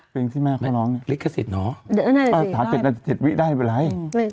ฮะนี่ลิขสิตเหรออ๋อ๗วิได้เป็นไร